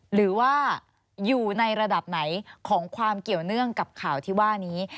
หรือว่าอยู่ในระดับไหนของความเกี่ยวเนื่องกับข่าวที่ว่านี้